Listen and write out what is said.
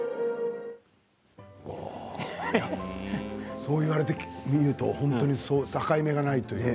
そう言われて見ると本当に境目がない。